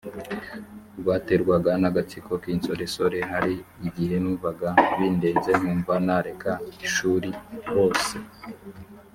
rwaterwaga n agatsiko k insoresore hari igihe numvaga bindenze nkumva nareka ishuri rose